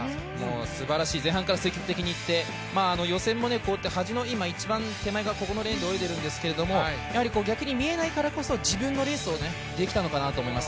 すばらしい、前半から積極的にいって予選も、端のレーンで泳いでるんですけどやはり逆に見えないからこそ自分のレースをできたのかなと思います。